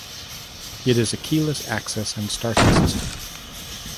It is a keyless access and starting system.